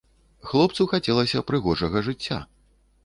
Хлопцу хацелася прыгожага жыцця.